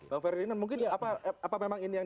bang ferdinand mungkin apa memang ini yang